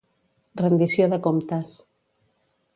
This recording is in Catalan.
Rendició de comptes.